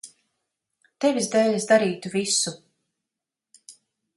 Tevis dēļ es darītu visu.